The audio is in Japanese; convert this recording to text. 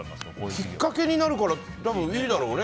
きっかけになるから多分いいだろうね。